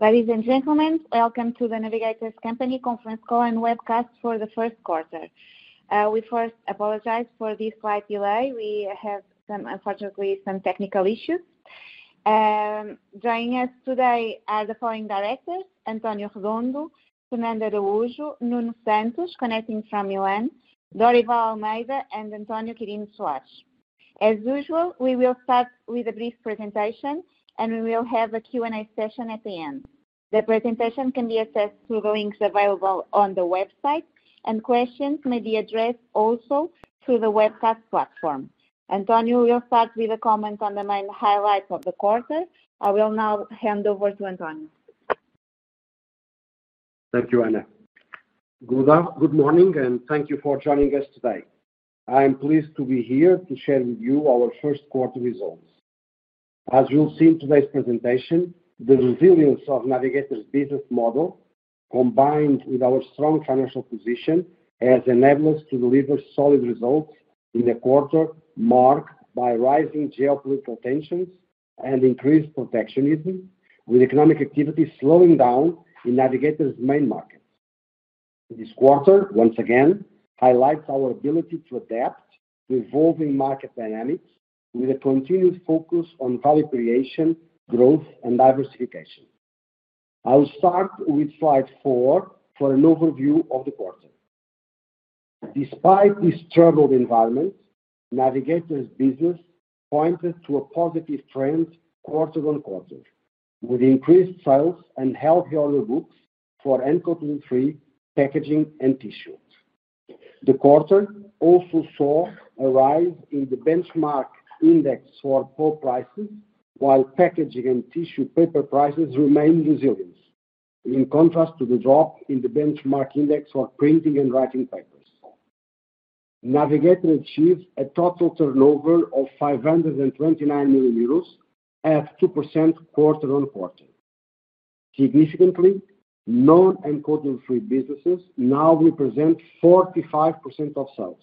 Ladies and gentlemen, welcome to The Navigator Company conference call and webcast for the first quarter. We first apologize for this slight delay. We have, unfortunately, some technical issues. Joining us today are the following directors: António Redondo, Fernando Araújo, Nuno Santos, connecting from Milan, Dorival Almeida, and António Quirino Soares. As usual, we will start with a brief presentation, and we will have a Q&A session at the end. The presentation can be accessed through the links available on the website, and questions may be addressed also through the webcast platform. António, we'll start with a comment on the main highlights of the quarter. I will now hand over to António. Thank you, Ana. Good morning, and thank you for joining us today. I am pleased to be here to share with you our first quarter results. As you'll see in today's presentation, the resilience of Navigator's business model, combined with our strong financial position, has enabled us to deliver solid results in a quarter marked by rising geopolitical tensions and increased protectionism, with economic activity slowing down in Navigator's main markets. This quarter, once again, highlights our ability to adapt to evolving market dynamics with a continued focus on value creation, growth, and diversification. I'll start with slide four for an overview of the quarter. Despite this troubled environment, Navigator's business pointed to a positive trend quarter-on-quarter, with increased sales and healthier order books for uncoated woodfree packaging and tissue. The quarter also saw a rise in the benchmark index for pulp prices, while packaging and tissue paper prices remained resilient, in contrast to the drop in the benchmark index for printing and writing papers. Navigator achieved a total turnover of 529 million euros, at 2% quarter-on-quarter. Significantly, non-uncoated woodfree businesses now represent 45% of sales,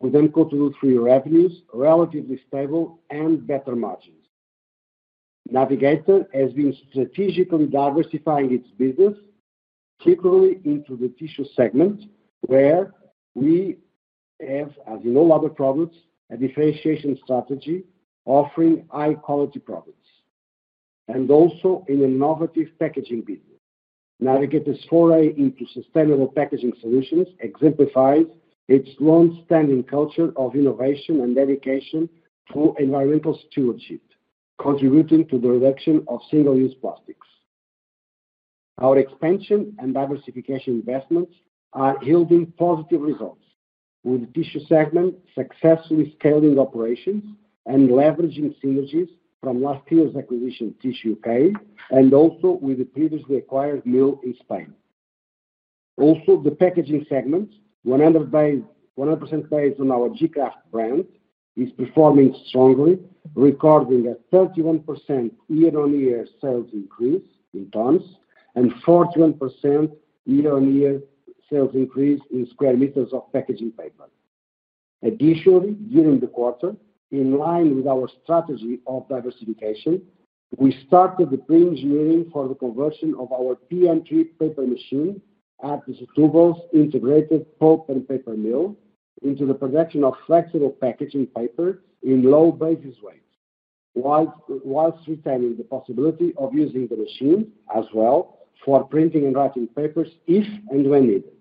with uncoated woodfree revenues relatively stable and better margins. Navigator has been strategically diversifying its business, particularly into the Tissue segment, where we have, as in all other products, a differentiation strategy offering high-quality products, and also in an innovative packaging business. Navigator's foray into sustainable packaging solutions exemplifies its long-standing culture of innovation and dedication to environmental stewardship, contributing to the reduction of single-use plastics. Our expansion and diversification investments are yielding positive results, with the Tissue segment successfully scaling operations and leveraging synergies from last year's acquisition, Tissue UK, and also with the previously acquired mill in Spain. Also, the Packaging segment, 100% based on our gKraft brand, is performing strongly, recording a 31% year-on-year sales increase in tons and 41% year-on-year sales increase in square meters of packaging paper. Additionally, during the quarter, in line with our strategy of diversification, we started the pre-engineering for the conversion of our PM3 paper machine at the Setúbal integrated pulp and paper mill into the production of flexible packaging paper in low basis weights, whilst retaining the possibility of using the machine as well for printing and writing papers if and when needed.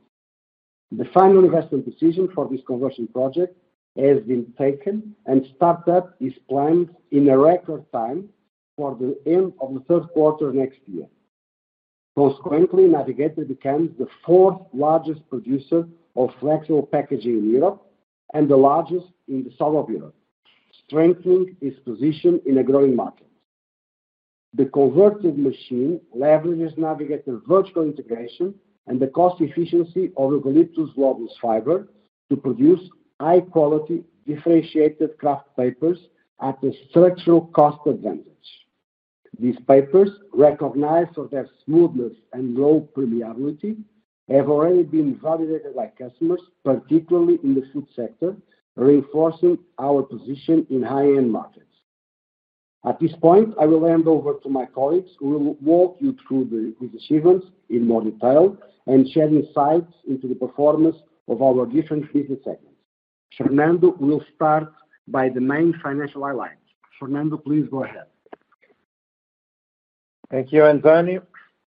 The final investment decision for this conversion project has been taken, and startup is planned in a record time for the end of the third quarter next year. Consequently, Navigator becomes the fourth largest producer of flexible packaging in Europe and the largest in the south of Europe, strengthening its position in a growing market. The converted machine leverages Navigator's vertical integration and the cost efficiency of Eucalyptus globulus fiber to produce high-quality, differentiated craft papers at a structural cost advantage. These papers, recognized for their smoothness and low permeability, have already been validated by customers, particularly in the food sector, reinforcing our position in high-end markets. At this point, I will hand over to my colleagues who will walk you through these achievements in more detail and share insights into the performance of our different business segments. Fernando will start by the main financial highlights. Fernando, please go ahead. Thank you, António.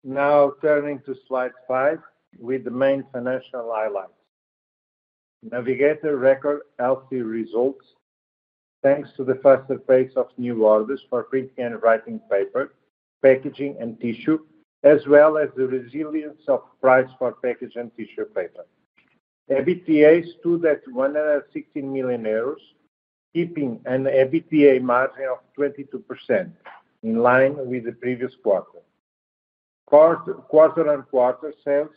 Now turning to slide five with the main financial highlights. Navigator records healthy results thanks to the faster pace of new orders for printing and writing paper, packaging, and tissue, as well as the resilience of price for packaging and tissue paper. EBITDA stood at 116 million euros, keeping an EBITDA margin of 22% in line with the previous quarter. Quarter-on-quarter sales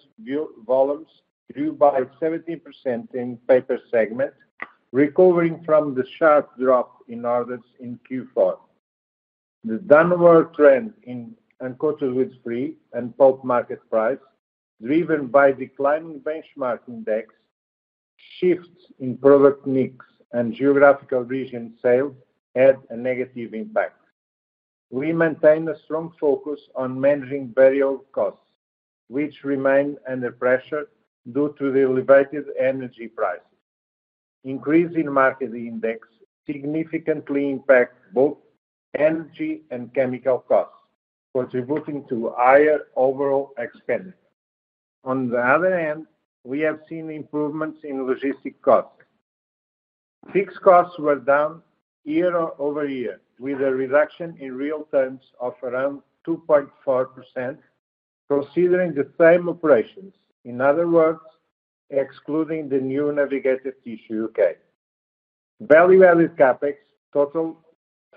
volumes grew by 17% in the Paper segment, recovering from the sharp drop in orders in Q4. The downward trend in uncoated woodfree and pulp market price, driven by declining benchmark index, shifts in product mix and geographical region sales, had a negative impact. We maintain a strong focus on managing variable costs, which remain under pressure due to the elevated energy prices. Increasing market index significantly impacts both energy and chemical costs, contributing to higher overall expenditure. On the other hand, we have seen improvements in logistic costs. Fixed costs were down year-over-year, with a reduction in real terms of around 2.4%, considering the same operations. In other words, excluding the new Navigator Tissue UK. Value-added CapEx totaled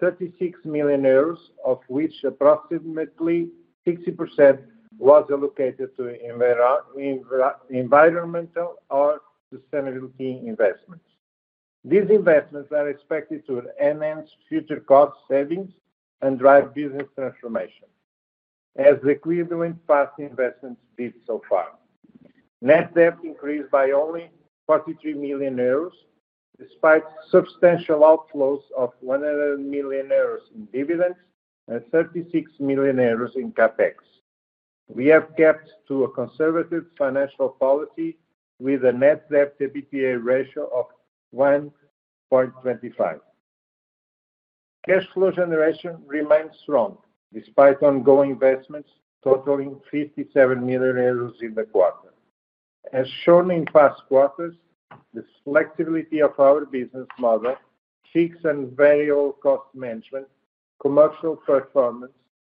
36 million euros, of which approximately 60% was allocated to environmental or sustainability investments. These investments are expected to enhance future cost savings and drive business transformation, as the equivalent past investments did so far. Net debt increased by only 43 million euros, despite substantial outflows of 100 million euros in dividends and 36 million euros in CapEx. We have kept to a conservative financial policy with a net debt/EBITDA ratio of 1.25x. Cash flow generation remained strong despite ongoing investments totaling 57 million euros in the quarter. As shown in past quarters, the flexibility of our business model, fixed and variable cost management, commercial performance,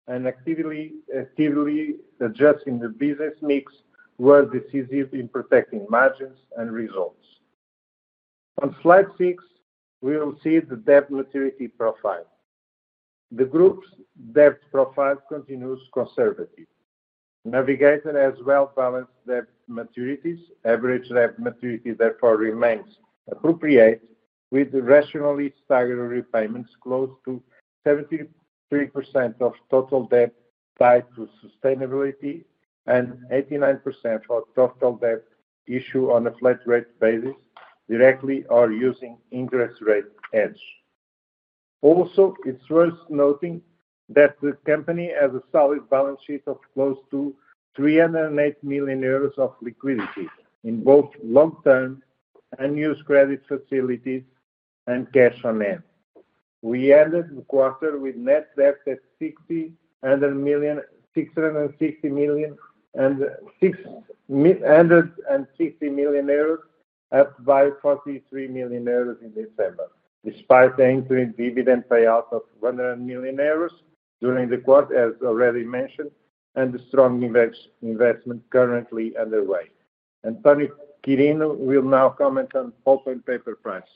and actively adjusting the business mix were decisive in protecting margins and results. On slide six, we will see the debt maturity profile. The group's debt profile continues conservative. Navigator has well-balanced debt maturities. Average debt maturity, therefore, remains appropriate, with rationally staggered repayments close to 73% of total debt tied to sustainability and 89% for total debt issued on a flat rate basis, directly or using interest rate hedge. Also, it is worth noting that the company has a solid balance sheet of close to 308 million euros of liquidity in both long-term and new credit facilities and cash on hand. We ended the quarter with net debt at 660 million and 660 million euros, up by 43 million euros in December, despite the increased dividend payout of 100 million euros during the quarter, as already mentioned, and the strong investment currently underway. António Quirino will now comment on pulp and paper prices.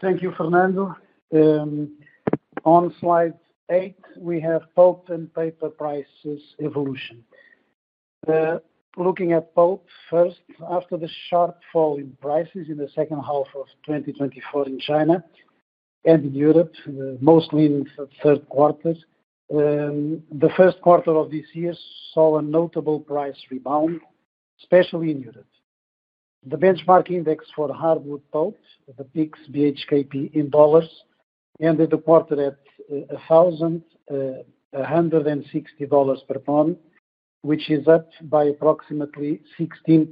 Thank you, Fernando. On slide eight, we have pulp and paper prices evolution. Looking at pulp first, after the sharp fall in prices in the second half of 2024 in China and in Europe, mostly in the third quarter, the first quarter of this year saw a notable price rebound, especially in Europe. The benchmark index for hardwood pulp, the PIX BHKP in dollars, ended the quarter at $1,160 per ton, which is up by approximately 16%.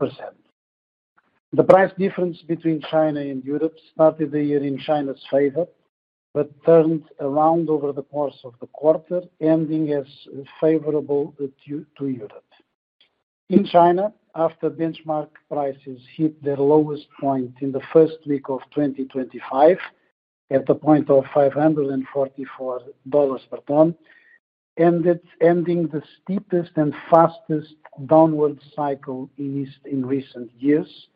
The price difference between China and Europe started the year in China's favor but turned around over the course of the quarter, ending as favorable to Europe. In China, after benchmark prices hit their lowest point in the first week of 2025 at the point of $544 per ton, ending the steepest and fastest downward cycle in recent years,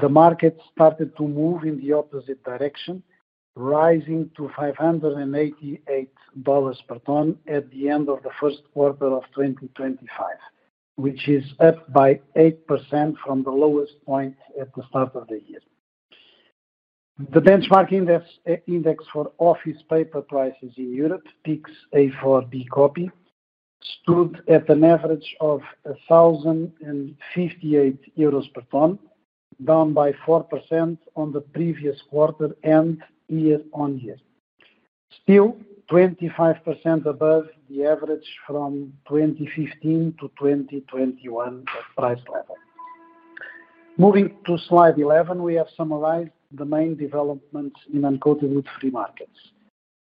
the market started to move in the opposite direction, rising to $588 per ton at the end of the first quarter of 2025, which is up by 8% from the lowest point at the start of the year. The benchmark index for office paper prices in Europe, PIX A4B copy, stood at an average of 1,058 euros per ton, down by 4% on the previous quarter and year-on-year, still 25% above the average from 2015 to 2021 price level. Moving to slide 11, we have summarized the main developments in uncoated woodfree markets.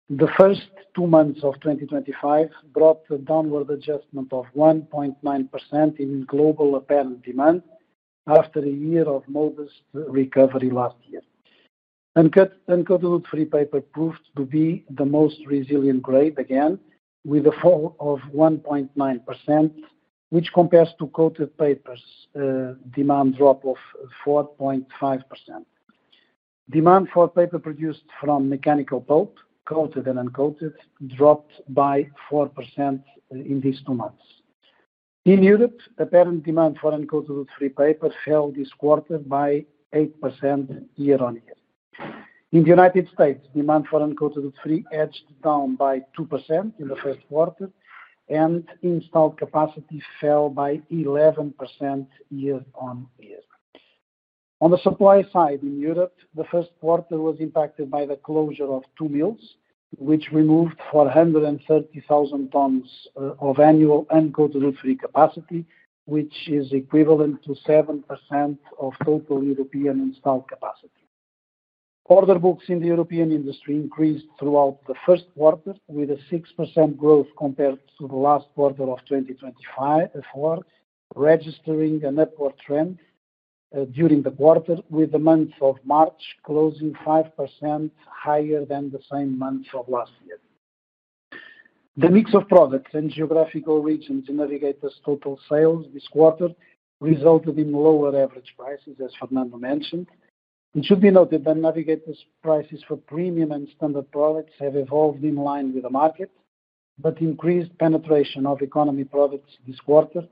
The first two months of 2025 brought a downward adjustment of 1.9% in global apparent demand after a year of modest recovery last year. uncoated woodfree paper proved to be the most resilient grade again, with a fall of 1.9%, which compares to coated paper's demand drop of 4.5%. Demand for paper produced from mechanical pulp, coated and uncoated, dropped by 4% in these two months. In Europe, apparent demand for Uncoated Woodfree paper fell this quarter by 8% year-on-year. In the U.S., demand for uncoated woodfree edged down by 2% in the first quarter, and installed capacity fell by 11% year-on-year. On the supply side in Europe, the first quarter was impacted by the closure of two mills, which removed 430,000 tons of annual uncoated woodfree capacity, which is equivalent to 7% of total European installed capacity. Order books in the European industry increased throughout the first quarter, with a 6% growth compared to the last quarter of 2024, registering an upward trend during the quarter, with the month of March closing 5% higher than the same month of last year. The mix of products and geographical regions in Navigator's total sales this quarter resulted in lower average prices, as Fernando mentioned. It should be noted that Navigator's prices for premium and standard products have evolved in line with the market, but increased penetration of economy products this quarter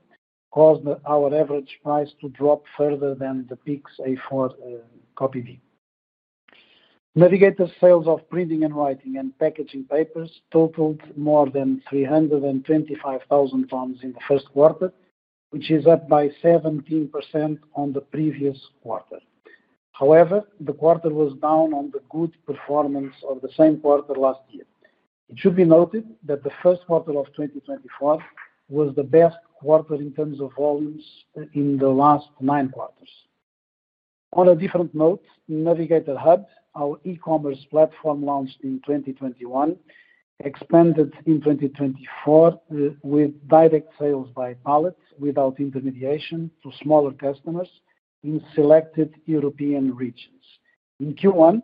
caused our average price to drop further than the PIX A4B copy dip. Navigator's sales of printing and writing and packaging papers totaled more than 325,000 tons in the first quarter, which is up by 17% on the previous quarter. However, the quarter was down on the good performance of the same quarter last year. It should be noted that the first quarter of 2024 was the best quarter in terms of volumes in the last nine quarters. On a different note, Navigator Hub, our e-commerce platform launched in 2021, expanded in 2024 with direct sales by pallet without intermediation to smaller customers in selected European regions. In Q1,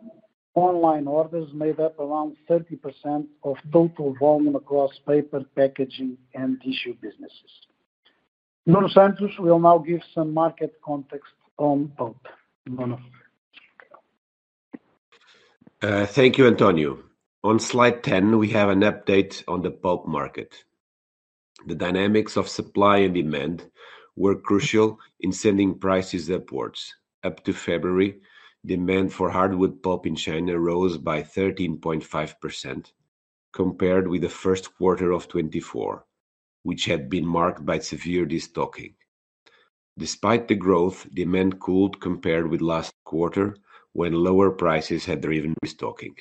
online orders made up around 30% of total volume across paper, packaging, and tissue businesses. Nuno Santos, we'll now give some market context on pulp. Nuno. Thank you, António. On slide 10, we have an update on the pulp market. The dynamics of supply and demand were crucial in sending prices upwards. Up to February, demand for hardwood pulp in China rose by 13.5% compared with the first quarter of 2024, which had been marked by severe restocking. Despite the growth, demand cooled compared with last quarter when lower prices had driven restocking.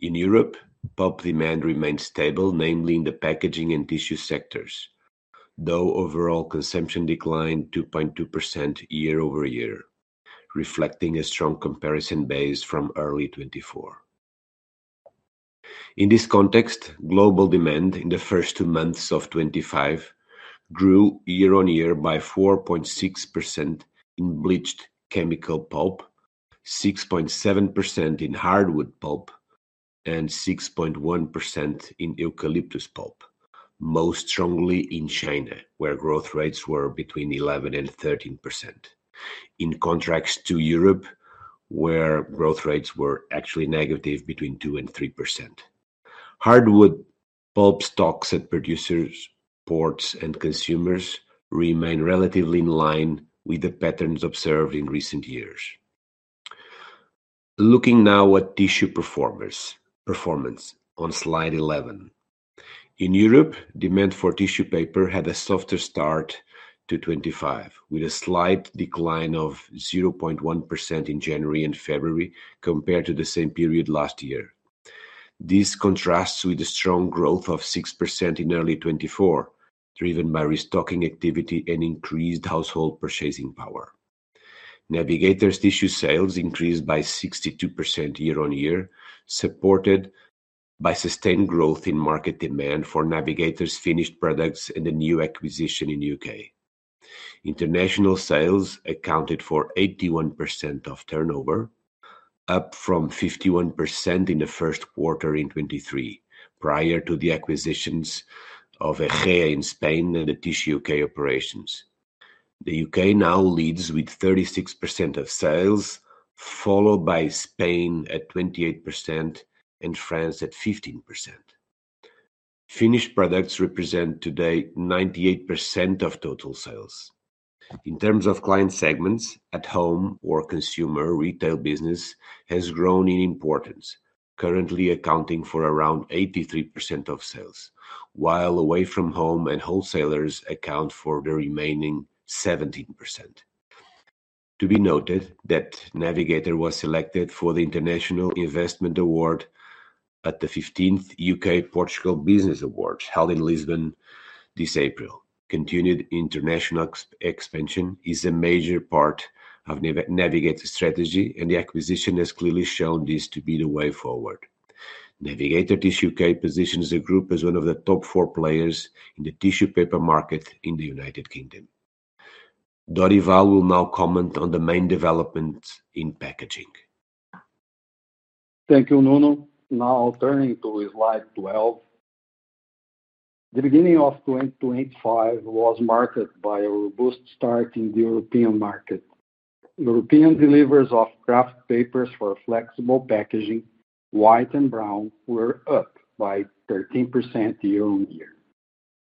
In Europe, pulp demand remained stable, namely in the packaging and tissue sectors, though overall consumption declined 2.2% year-over-year, reflecting a strong comparison base from early 2024. In this context, global demand in the first two months of 2025 grew year-on-year by 4.6% in bleached chemical pulp, 6.7% in hardwood pulp, and 6.1% in eucalyptus pulp, most strongly in China, where growth rates were between 11% and 13%, in contrast to Europe, where growth rates were actually negative between 2% and 3%. Hardwood pulp stocks at producers, ports, and consumers remain relatively in line with the patterns observed in recent years. Looking now at tissue performance on slide 11. In Europe, demand for tissue paper had a softer start to 2025, with a slight decline of 0.1% in January and February compared to the same period last year. This contrasts with the strong growth of 6% in early 2024, driven by restocking activity and increased household purchasing power. Navigator's tissue sales increased by 62% year-on-year, supported by sustained growth in market demand for Navigator's finished products and the new acquisition in the U.K. International sales accounted for 81% of turnover, up from 51% in the first quarter in 2023, prior to the acquisitions of Ejea in Spain and the Tissue UK operations. The U.K. now leads with 36% of sales, followed by Spain at 28% and France at 15%. Finished products represent today 98% of total sales. In terms of client segments, at-home or consumer retail business has grown in importance, currently accounting for around 83% of sales, while away-from-home and wholesalers account for the remaining 17%. To be noted that Navigator was selected for the International Investment Award at the 15th UK-Portugal Business Awards held in Lisbon this April. Continued international expansion is a major part of Navigator's strategy, and the acquisition has clearly shown this to be the way forward. Navigator Tissue UK positions the group as one of the top four players in the tissue paper market in the U.K. Dorival will now comment on the main developments in packaging. Thank you, Nuno. Now turning to slide 12. The beginning of 2025 was marked by a robust start in the European market. European deliveries of craft papers for flexible packaging, white and brown, were up by 13% year-on-year.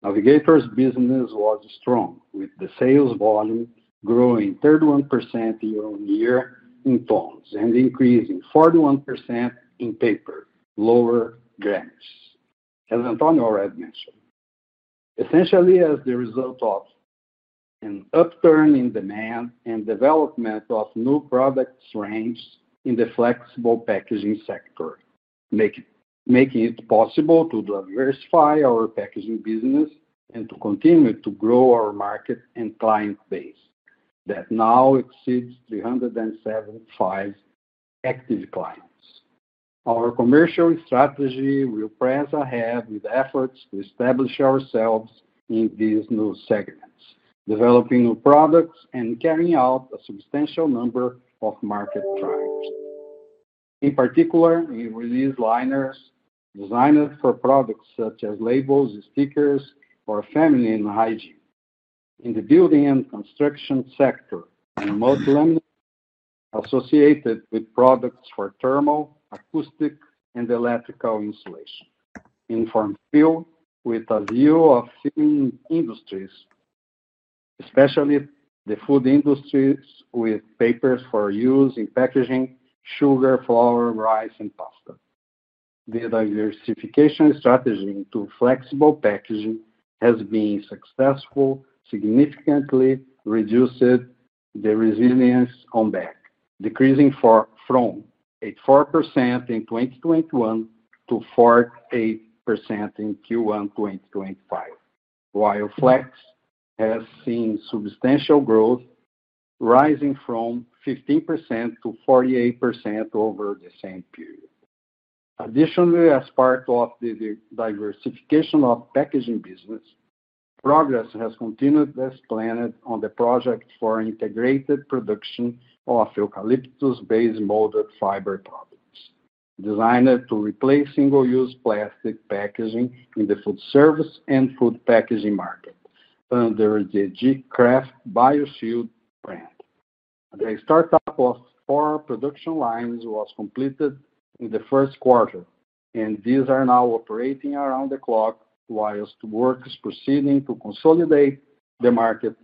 Navigator's business was strong, with the sales volume growing 31% year-on-year in tons and increasing 41% in paper, lower grams, as António already mentioned. Essentially, as the result of an upturn in demand and development of new product ranges in the flexible packaging sector, making it possible to diversify our packaging business and to continue to grow our market and client base that now exceeds 375 active clients. Our commercial strategy will press ahead with efforts to establish ourselves in these new segments, developing new products and carrying out a substantial number of market trials. In particular, we release liners designed for products such as labels, stickers, or feminine hygiene. In the building and construction sector, remote laminating is associated with products for thermal, acoustic, and electrical insulation. In form fill, with a view of film industries, especially the food industries with papers for use in packaging, sugar, flour, rice, and pasta. The diversification strategy into flexible packaging has been successful, significantly reducing the resilience on back, decreasing from 84% in 2021 to 48% in Q1 2025, while flex has seen substantial growth, rising from 15% to 48% over the same period. Additionally, as part of the diversification of packaging business, progress has continued as planned on the project for integrated production of eucalyptus-based molded fiber products designed to replace single-use plastic packaging in the food service and food packaging market under the gKraft BioShield brand. The startup of four production lines was completed in the first quarter, and these are now operating around the clock, whilst work is proceeding to consolidate the market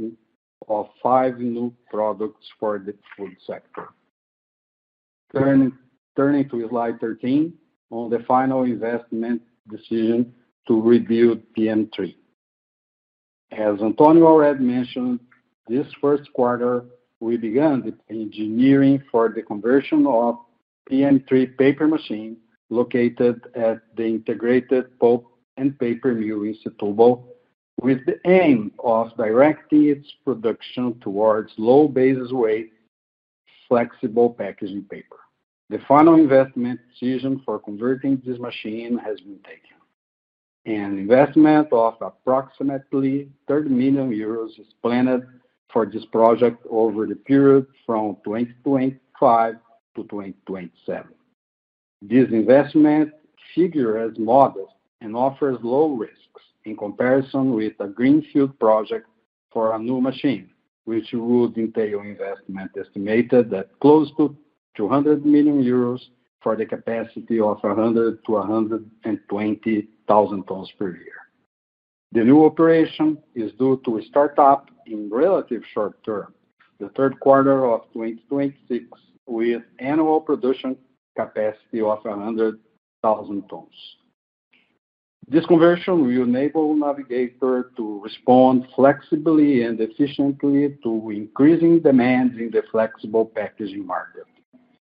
of five new products for the food sector. Turning to slide 13, on the final investment decision to rebuild PM3. As António already mentioned, this first quarter, we began the engineering for the conversion of PM3 paper machine located at the integrated pulp and paper mill in Setúbal, with the aim of directing its production towards low-basis-weight flexible packaging paper. The final investment decision for converting this machine has been taken, and investment of approximately 30 million euros is planned for this project over the period from 2025 to 2027. This investment figure is modest and offers low risks in comparison with a greenfield project for a new machine, which would entail investment estimated at close to 200 million euros for the capacity of 100,000 to 120,000 tons per year. The new operation is due to start up in relatively short term, the third quarter of 2026, with annual production capacity of 100,000 tons. This conversion will enable Navigator to respond flexibly and efficiently to increasing demands in the flexible packaging market,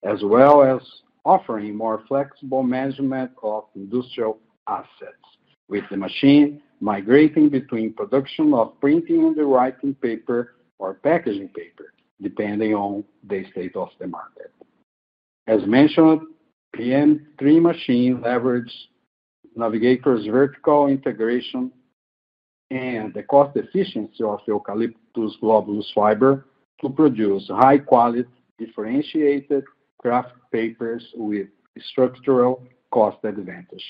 as well as offering more flexible management of industrial assets, with the machine migrating between production of printing and writing paper or packaging paper, depending on the state of the market. As mentioned, the PM3 machine leverages Navigator's vertical integration and the cost efficiency of Eucalyptus globulus fiber to produce high-quality, differentiated craft papers with structural cost advantage.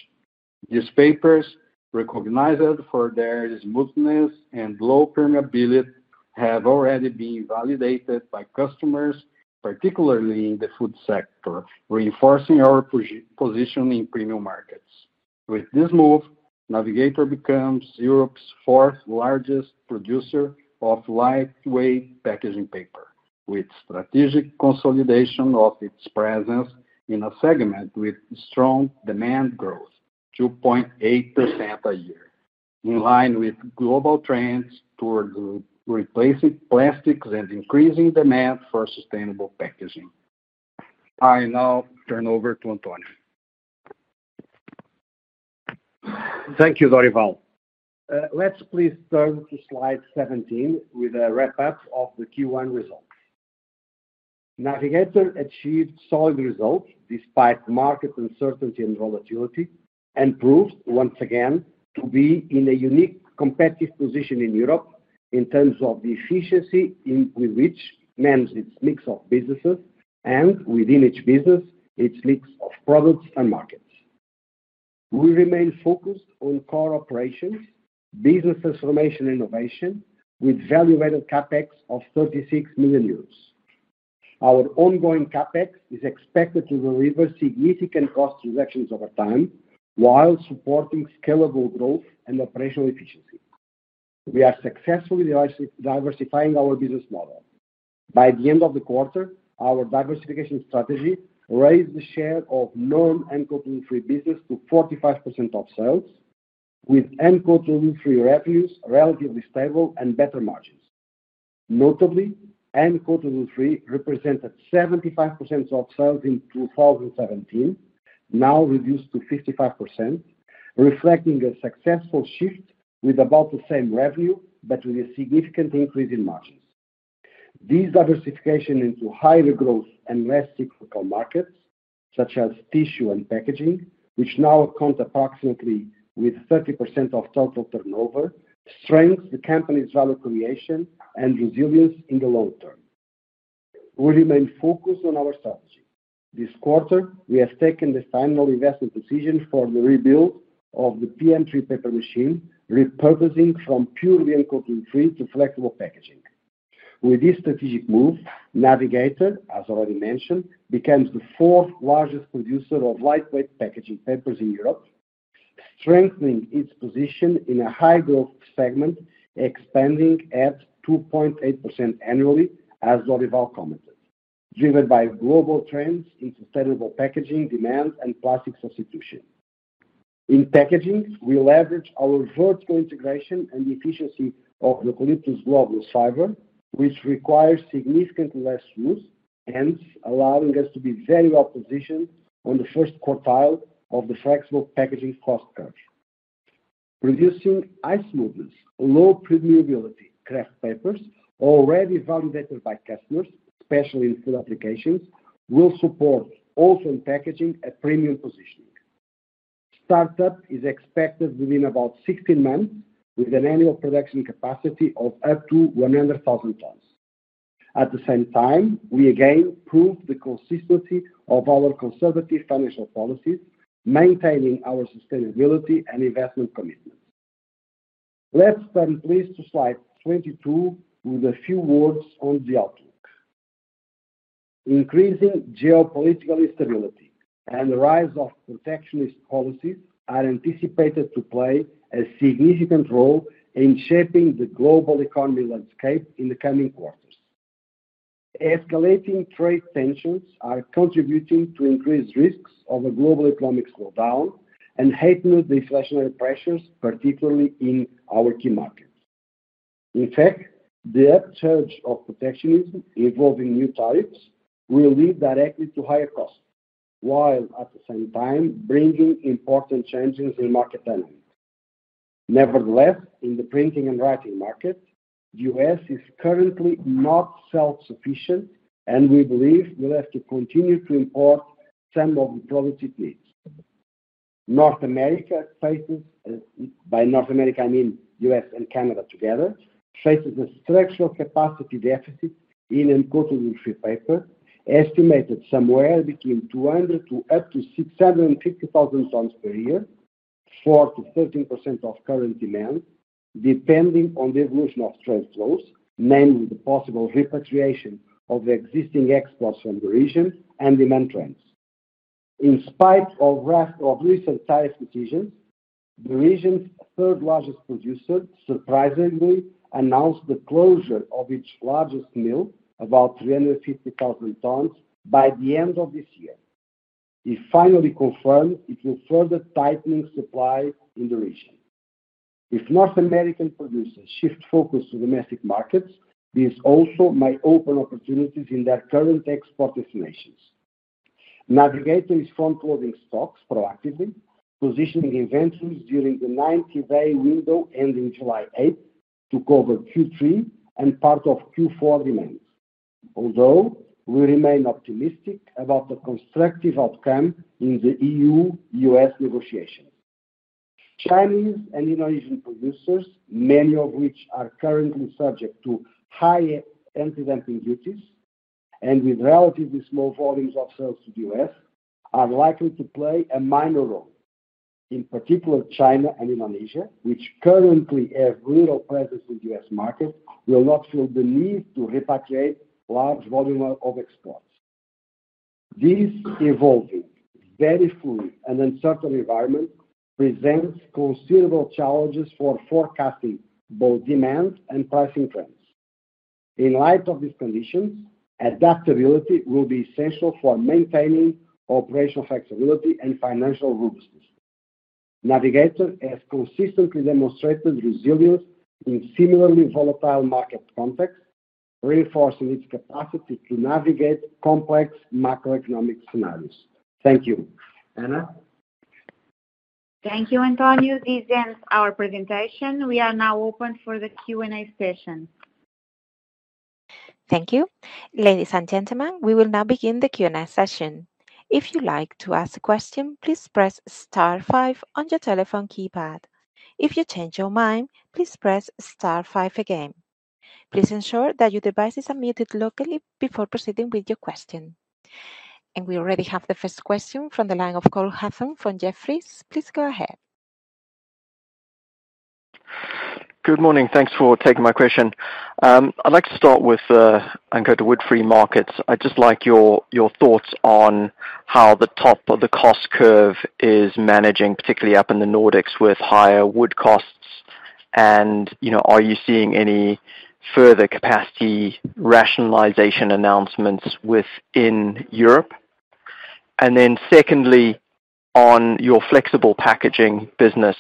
These papers, recognized for their smoothness and low permeability, have already been validated by customers, particularly in the food sector, reinforcing our position in premium markets. With this move, Navigator becomes Europe's fourth largest producer of lightweight packaging paper, with strategic consolidation of its presence in a segment with strong demand growth, 2.8% a year, in line with global trends towards replacing plastics and increasing demand for sustainable packaging. I now turn over to António. Thank you, Dorival. Let's please turn to slide 17 with a wrap-up of the Q1 results. Navigator achieved solid results despite market uncertainty and volatility and proved, once again, to be in a unique competitive position in Europe in terms of the efficiency with which it manages its mix of businesses and, within each business, its mix of products and markets. We remain focused on core operations, business transformation, and innovation, with value-added CapEx of 36 million euros. Our ongoing CapEx is expected to deliver significant cost reductions over time, while supporting scalable growth and operational efficiency. We are successfully diversifying our business model. By the end of the quarter, our diversification strategy raised the share of non-uncoated woodfree paper business to 45% of sales, with uncoated woodfree paper revenues relatively stable and better margins. Notably, uncoated woodfree paper represented 75% of sales in 2017, now reduced to 55%, reflecting a successful shift with about the same revenue, but with a significant increase in margins. This diversification into higher growth and less cyclical markets, such as tissue and packaging, which now account approximately for 30% of total turnover, strengthens the company's value creation and resilience in the long term. We remain focused on our strategy. This quarter, we have taken the final investment decision for the rebuild of the PM3 paper machine, repurposing from purely uncoated woodfree to flexible packaging. With this strategic move, Navigator, as already mentioned, becomes the fourth largest producer of lightweight packaging papers in Europe, strengthening its position in a high-growth segment, expanding at 2.8% annually, as Dorival commented, driven by global trends in sustainable packaging demand and plastic substitution. In packaging, we leverage our vertical integration and efficiency of Eucalyptus globulus fiber, which requires significantly less use, hence allowing us to be very well positioned on the first quartile of the flexible packaging cost curve. Producing high smoothness, low permeability craft papers, already validated by customers, especially in food applications, will support open packaging at premium positioning. Startup is expected within about 16 months, with an annual production capacity of up to 100,000 tons. At the same time, we again prove the consistency of our conservative financial policies, maintaining our sustainability and investment commitments. Let's turn please to slide 22 with a few words on the outlook. Increasing geopolitical instability and the rise of protectionist policies are anticipated to play a significant role in shaping the global economy landscape in the coming quarters. Escalating trade tensions are contributing to increased risks of a global economic slowdown and heightened deflationary pressures, particularly in our key markets. In fact, the upsurge of protectionism involving new tariffs will lead directly to higher costs, while at the same time bringing important changes in market dynamics. Nevertheless, in the printing and writing market, the U.S. is currently not self-sufficient, and we believe we'll have to continue to import some of the products it needs. North America faces—by North America, I mean U.S. and Canada together—faces a structural capacity deficit in uncoated woodfree paper, estimated somewhere between 200,000 to 650,000 tons per year, 4% to 13% of current demand, depending on the evolution of trade flows, namely the possible repatriation of the existing exports from the region and demand trends. In spite of recent tariff decisions, the region's third-largest producer surprisingly announced the closure of its largest mill, about 350,000 tons, by the end of this year. It finally confirmed it will further tighten supply in the region. If North American producers shift focus to domestic markets, this also may open opportunities in their current export destinations. Navigator is front-loading stocks proactively, positioning inventories during the 90-day window ending July 8 to cover Q3 and part of Q4 demand, although we remain optimistic about the constructive outcome in the EU-U.S. negotiations. Chinese and Indonesian producers, many of which are currently subject to high anti-dumping duties and with relatively small volumes of sales to the U.S., are likely to play a minor role. In particular, China and Indonesia, which currently have little presence in the U.S. market, will not feel the need to repatriate large volumes of exports. This evolving, very fluid, and uncertain environment presents considerable challenges for forecasting both demand and pricing trends. In light of these conditions, adaptability will be essential for maintaining operational flexibility and financial robustness. Navigator has consistently demonstrated resilience in similarly volatile market contexts, reinforcing its capacity to navigate complex macroeconomic scenarios. Thank you. Ana? Thank you, António. This ends our presentation. We are now open for the Q&A session. Thank you. Ladies and gentlemen, we will now begin the Q&A session. If you'd like to ask a question, please press star five on your telephone keypad. If you change your mind, please press star five again. Please ensure that your device is unmuted locally before proceeding with your question. We already have the first question from the line of Cole Hathorn Jefferies. Please go ahead. Good morning. Thanks for taking my question. I'd like to start with uncoated woodfree markets. I'd just like your thoughts on how the top of the cost curve is managing, particularly up in the Nordics with higher wood costs. Are you seeing any further capacity rationalization announcements within Europe? Secondly, on your flexible packaging business,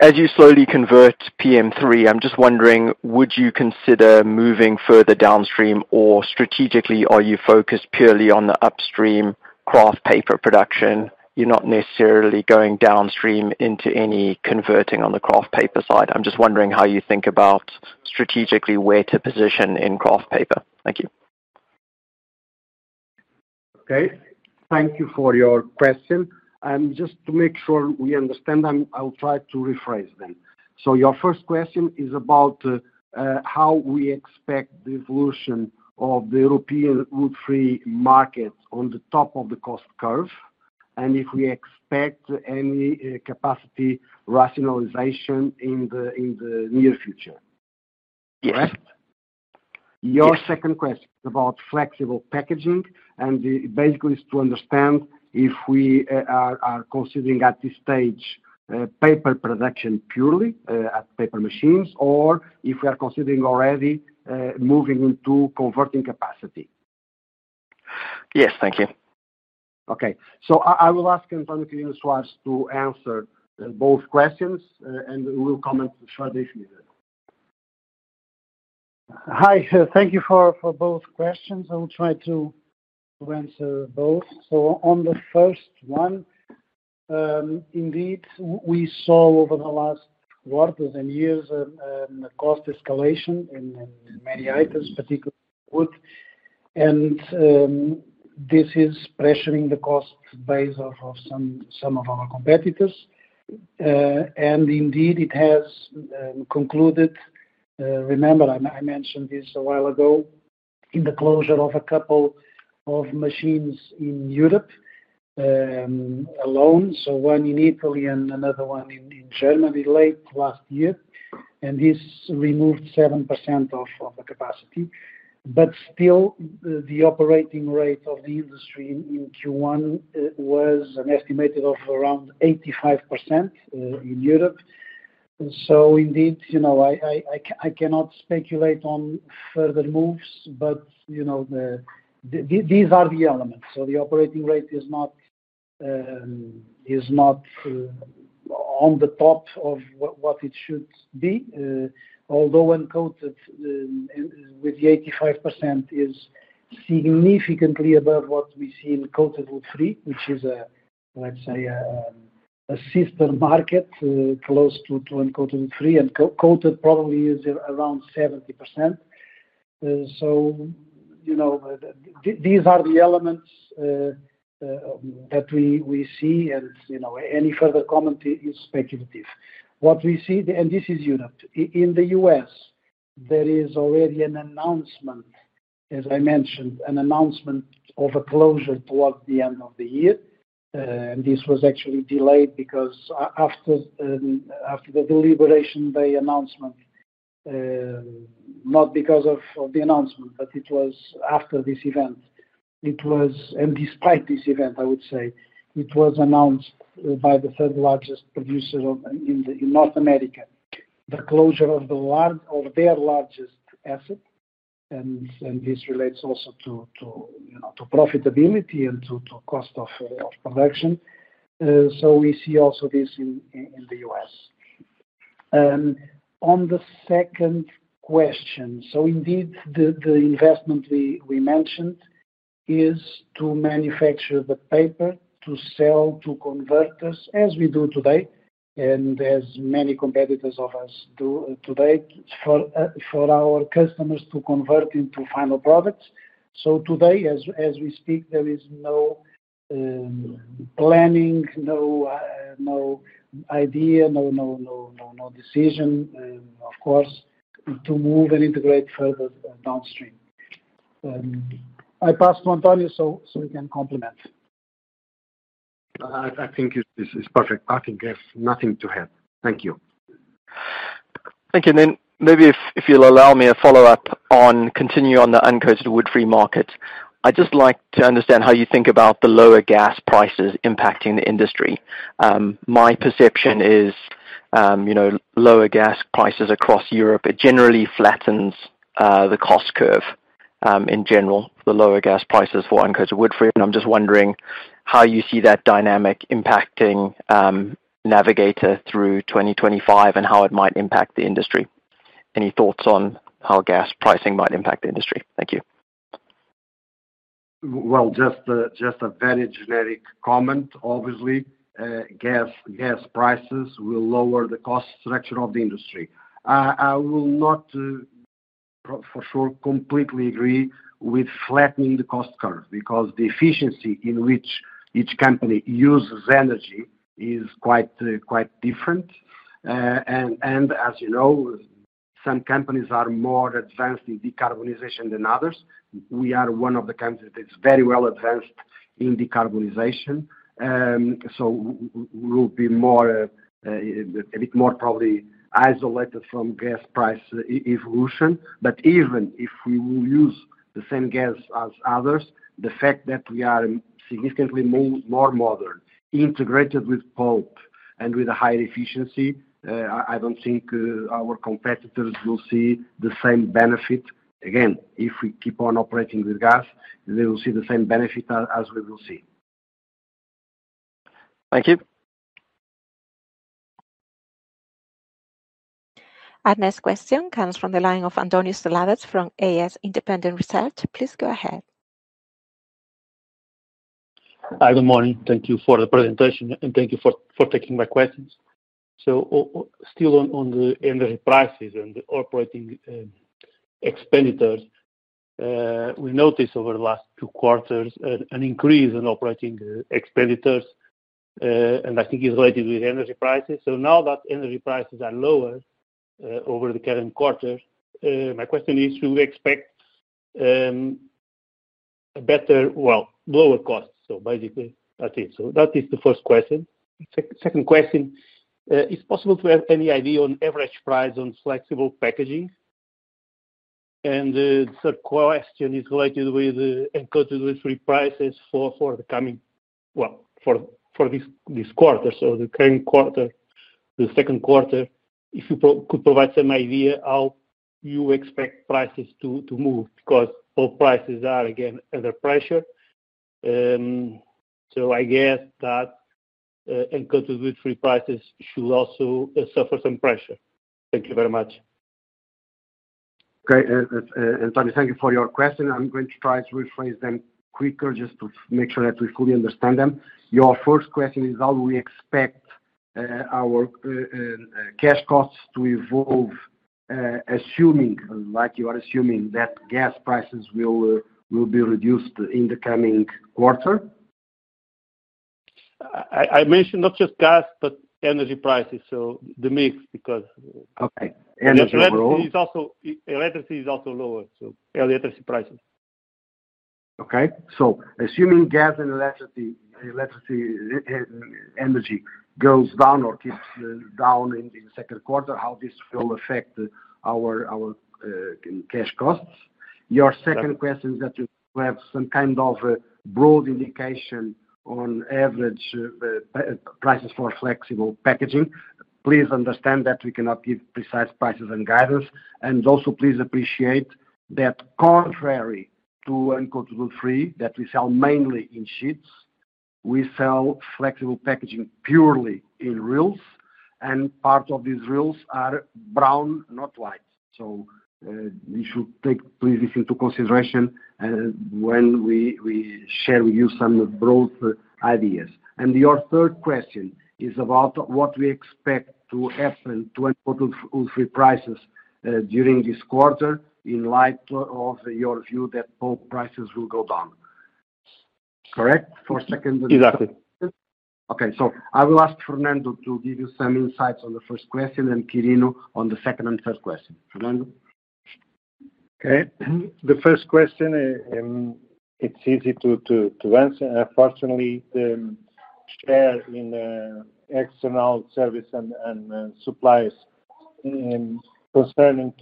as you slowly convert PM3, I'm just wondering, would you consider moving further downstream, or strategically, are you focused purely on the upstream kraft paper production? You're not necessarily going downstream into any converting on the kraft paper side. I'm just wondering how you think about strategically where to position in craft paper. Thank you. Okay. Thank you for your question. And just to make sure we understand them, I'll try to rephrase them. Your first question is about how we expect the evolution of the European woodfree market on the top of the cost curve and if we expect any capacity rationalization in the near future? Yes. Correct. Your second question is about flexible packaging. Basically, it's to understand if we are considering at this stage paper production purely at paper machines or if we are considering already moving into converting capacity. Yes. Thank you. I will ask António Quirino Soares to answer both questions, and we'll comment shortly if needed. Hi. Thank you for both questions. I will try to answer both. On the first one, indeed, we saw over the last quarters and years a cost escalation in many items, particularly wood. This is pressuring the cost base of some of our competitors. Indeed, it has concluded—remember, I mentioned this a while ago—in the closure of a couple of machines in Europe alone, one in Italy and another one in Germany late last year. This removed 7% of the capacity. Still, the operating rate of the industry in Q1 was an estimated around 85% in Europe. I cannot speculate on further moves, but these are the elements. The operating rate is not on the top of what it should be, although uncoated woodfree with the 85% is significantly above what we see in uncoated woodfree, which is, let's say, a sister market close to uncoated woodfree. Encore-to-do probably is around 70%. These are the elements that we see, and any further comment is speculative. What we see—and this is Europe—in the U.S., there is already an announcement, as I mentioned, an announcement of a closure towards the end of the year. This was actually delayed because after the deliberation day announcement, not because of the announcement, but it was after this event. Despite this event, I would say, it was announced by the third-largest producer in North America, the closure of their largest asset. This relates also to profitability and to cost of production. We see also this in the U.S. On the second question, indeed, the investment we mentioned is to manufacture the paper to sell to converters, as we do today, and as many competitors of us do today, for our customers to convert into final products. Today, as we speak, there is no planning, no idea, no decision, of course, to move and integrate further downstream. I pass to António so we can complement. I think it's perfect. Nothing else. Nothing to add. Thank you. Thank you. Maybe, if you'll allow me, a follow-up on continue on the uncoated woodfree market. I'd just like to understand how you think about the lower gas prices impacting the industry. My perception is lower gas prices across Europe, it generally flattens the cost curve in general, the lower gas prices for uncoated woodfree. I'm just wondering how you see that dynamic impacting Navigator through 2025 and how it might impact the industry. Any thoughts on how gas pricing might impact the industry? Thank you. Just a very generic comment, obviously. Gas prices will lower the cost structure of the industry. I will not, for sure, completely agree with flattening the cost curve because the efficiency in which each company uses energy is quite different. As you know, some companies are more advanced in decarbonization than others. We are one of the companies that is very well advanced in decarbonization. We will be a bit more probably isolated from gas price evolution. Even if we will use the same gas as others, the fact that we are significantly more modern, integrated with pulp, and with a higher efficiency, I do not think our competitors will see the same benefit. Again, if we keep on operating with gas, they will see the same benefit as we will see. Thank you. Our next question comes from the line of António Seladas from AS Independent Research. Please go ahead. Hi. Good morning. Thank you for the presentation, and thank you for taking my questions. Still on the energy prices and the operating expenditures, we noticed over the last two quarters an increase in operating expenditures, and I think it is related with energy prices. Now that energy prices are lower over the current quarter, my question is, should we expect better—well, lower costs? Basically, that is it. That is the first question. Second question, is it possible to have any idea on average price on flexible packaging? The third question is related with uncoated woodfree prices for the coming—for this quarter, the current quarter, the second quarter, if you could provide some idea how you expect prices to move because all prices are, again, under pressure. I guess that uncoated woodfree prices should also suffer some pressure. Thank you very much. Okay. António, thank you for your question. I'm going to try to rephrase them quicker just to make sure that we fully understand them. Your first question is, how do we expect our cash costs to evolve, assuming, like you are assuming, that gas prices will be reduced in the coming quarter? I mentioned not just gas, but energy prices. So the mix because—okay. And electricity is also lower, so electricity prices. Okay. Assuming gas and electricity energy goes down or keeps down in the second quarter, how will this affect our cash costs? Your second question is that you have some kind of broad indication on average prices for flexible packaging. Please understand that we cannot give precise prices and guidance. Also, please appreciate that contrary to uncoated woodfree, that we sell mainly in sheets, we sell flexible packaging purely in reels, and part of these reels are brown, not white. You should take this into consideration when we share with you some broad ideas. Your third question is about what we expect to happen to uncoated woodfree prices during this quarter in light of your view that pulp prices will go down. Correct? For second. Exactly. Okay. I will ask Fernando to give you some insights on the first question and Quirino on the second and third question. Fernando? Okay. The first question, it is easy to answer. Unfortunately, the share in external service and supplies concerning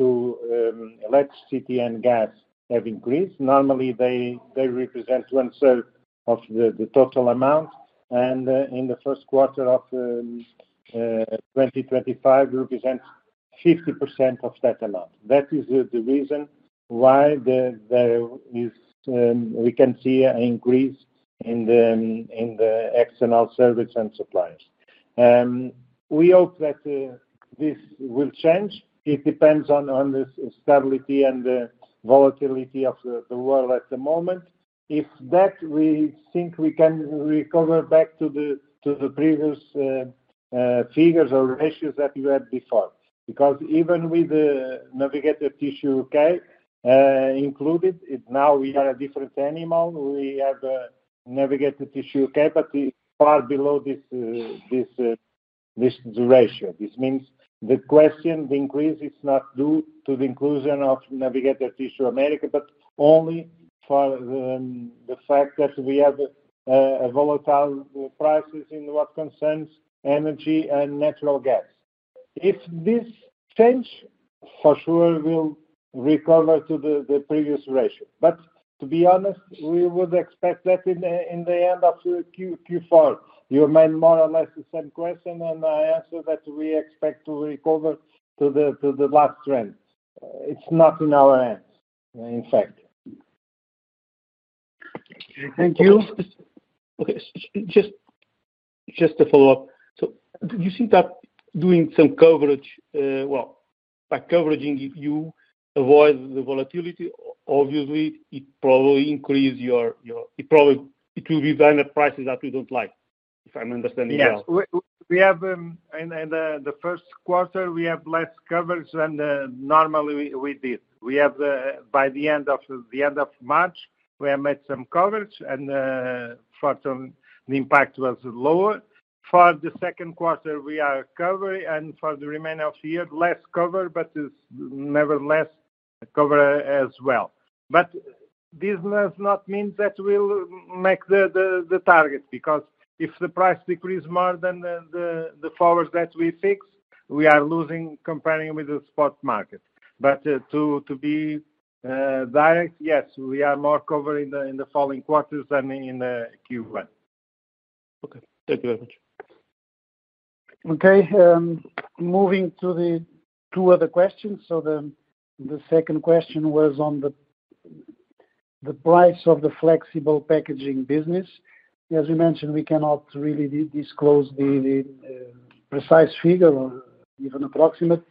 electricity and gas have increased. Normally, they represent one-third of the total amount, and in the first quarter of 2025, they represent 50% of that amount. That is the reason why we can see an increase in the external service and suppliers. We hope that this will change. It depends on the stability and volatility of the world at the moment. If that, we think we can recover back to the previous figures or ratios that we had before. Because even with the Navigator Tissue UK included, now we are a different animal. We have Navigator Tissue UK, but it's far below this ratio. This means the question, the increase, is not due to the inclusion of Navigator Tissue UK, but only for the fact that we have volatile prices in what concerns energy and natural gas. If this changes, for sure, we'll recover to the previous ratio. To be honest, we would expect that in the end of Q4, you remain more or less the same question, and I answer that we expect to recover to the last trend. It is not in our hands, in fact. Okay. Thank you. Okay. Just to follow up, do you think that doing some coverage—by coveraging, you avoid the volatility? Obviously, it probably increases your—it will be vendor prices that we do not like, if I am understanding you. Yes. In the first quarter, we have less coverage than normally we did. By the end of March, we have made some coverage, and the impact was lower. For the second quarter, we are covered, and for the remainder of the year, less covered, but nevertheless, covered as well. This does not mean that we'll make the target because if the price decreases more than the forward that we fixed, we are losing comparing with the spot market. To be direct, yes, we are more covered in the following quarters than in Q1. Okay. Thank you very much. Okay. Moving to the two other questions. The second question was on the price of the flexible packaging business. As we mentioned, we cannot really disclose the precise figure, even approximate.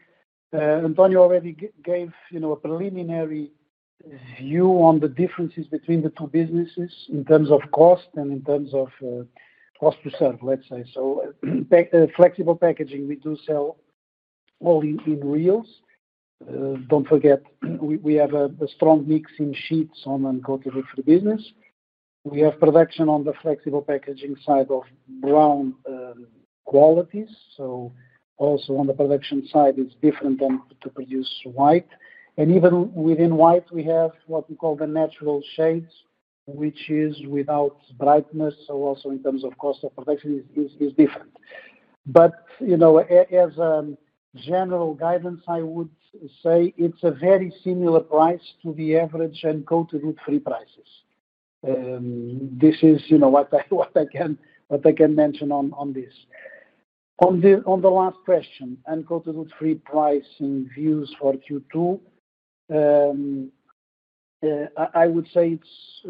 António already gave a preliminary view on the differences between the two businesses in terms of cost and in terms of cost to serve, let's say. Flexible packaging, we do sell all in reels. Do not forget, we have a strong mix in sheets on uncoated woodfree business. We have production on the flexible packaging side of brown qualities. Also on the production side, it is different than to produce white. Even within white, we have what we call the natural shades, which is without brightness. In terms of cost of production, it is different. As a general guidance, I would say it is a very similar price to the average uncoated woodfree prices. This is what I can mention on this. On the last question, uncoated woodfree pricing views for Q2, I would say it is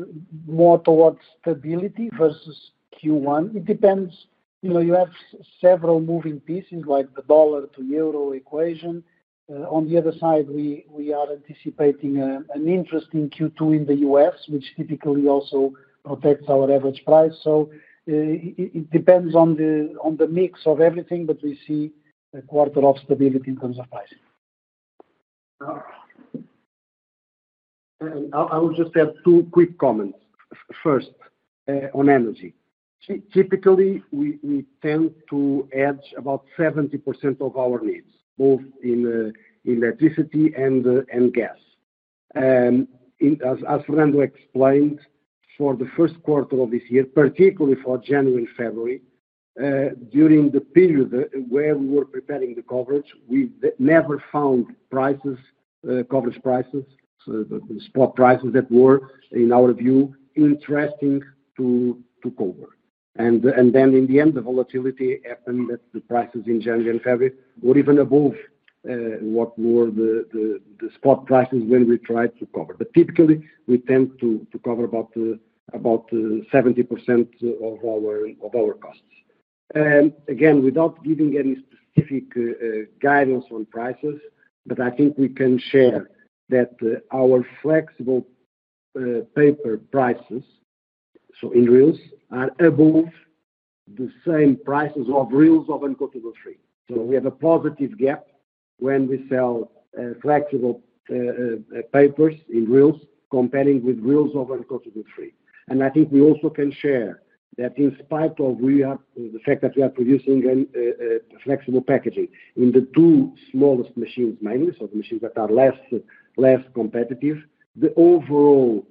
more towards stability versus Q1. It depends. You have several moving pieces, like the dollar-to-euro equation. On the other side, we are anticipating an interesting Q2 in the U.S., which typically also protects our average price. It depends on the mix of everything, but we see a quarter of stability in terms of pricing. I will just add two quick comments. First, on energy. Typically, we tend to hedge about 70% of our needs, both in electricity and gas. As Fernando explained, for the first quarter of this year, particularly for January and February, during the period where we were preparing the coverage, we never found coverage prices, the spot prices that were, in our view, interesting to cover. In the end, the volatility happened that the prices in January and February were even above what were the spot prices when we tried to cover. Typically, we tend to cover about 70% of our costs. Again, without giving any specific guidance on prices, I think we can share that our flexible paper prices, in reels, are above the same prices of reels of uncoated woodfree. We have a positive gap when we sell flexible papers in reels compared with reels of uncoated woodfree. I think we also can share that in spite of the fact that we are producing flexible packaging in the two smallest machines mainly, so the machines that are less competitive, the overall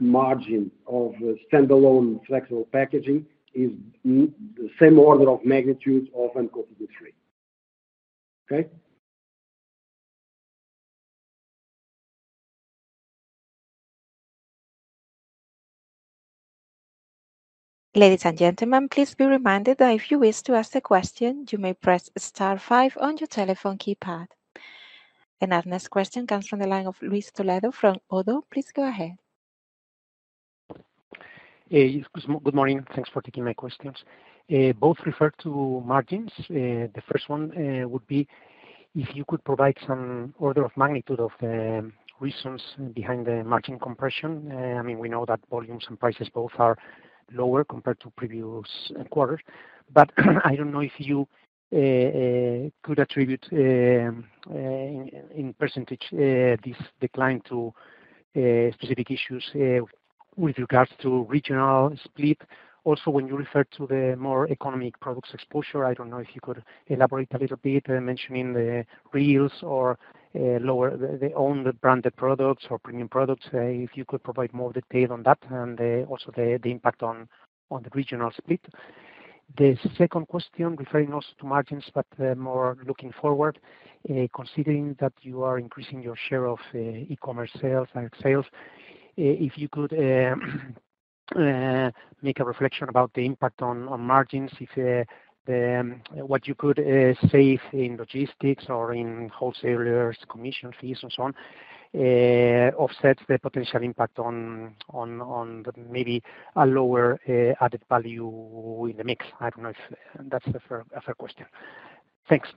margin of standalone flexible packaging is the same order of magnitude of uncoated woodfree. Okay? Ladies and gentlemen, please be reminded that if you wish to ask a question, you may press star five on your telephone keypad. Our next question comes from the line of Luis Toledo from ODDO. Please go ahead. Good morning. Thanks for taking my questions. Both refer to margins. The first one would be if you could provide some order of magnitude of the reasons behind the margin compression. I mean, we know that volumes and prices both are lower compared to previous quarters. I don't know if you could attribute in percentage this decline to specific issues with regards to regional split. Also, when you refer to the more economic products exposure, I don't know if you could elaborate a little bit mentioning the reels or owned branded products or premium products, if you could provide more detail on that and also the impact on the regional split. The second question referring also to margins, but more looking forward, considering that you are increasing your share of e-commerce sales, direct sales, if you could make a reflection about the impact on margins, if what you could save in logistics or in wholesalers' commission fees and so on offsets the potential impact on maybe a lower added value in the mix. I don't know if that's a fair question. Thanks.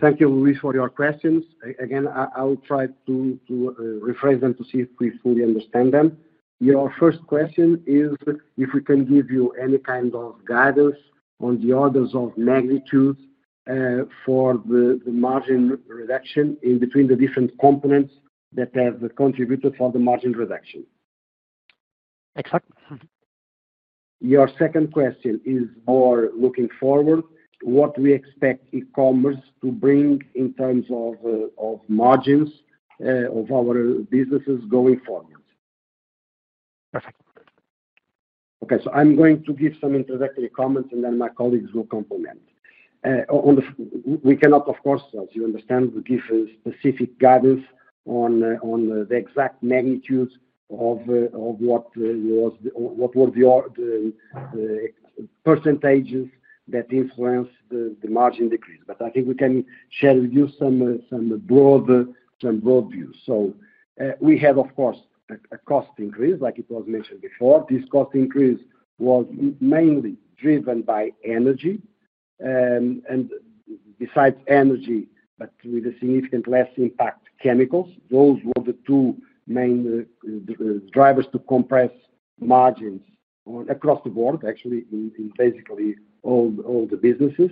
Thank you, Luis, for your questions. Again, I'll try to rephrase them to see if we fully understand them. Your first question is if we can give you any kind of guidance on the orders of magnitude for the margin reduction in between the different components that have contributed for the margin reduction. Exactly. Your second question is more looking forward, what we expect e-commerce to bring in terms of margins of our businesses going forward. Perfect. Okay. I'm going to give some introductory comments, and then my colleagues will complement. We cannot, of course, as you understand, give specific guidance on the exact magnitudes of what were the percentages that influenced the margin decrease. I think we can share with you some broad views. We have, of course, a cost increase, like it was mentioned before. This cost increase was mainly driven by energy. Besides energy, but with a significantly less impact, chemicals. Those were the two main drivers to compress margins across the board, actually, in basically all the businesses.